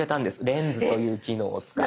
「レンズ」という機能を使って。